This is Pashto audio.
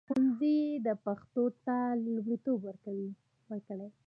ښوونځي دې پښتو ته لومړیتوب ورکړي.